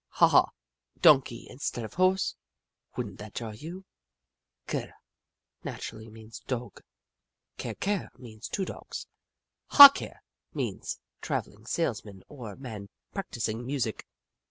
Haw Haw — "Donkey instead of horse. Would n't that jar you ?" Ker, naturally, means "dog." Ker Ker means two dogs. Haw Ker means travelling salesman or man practising music.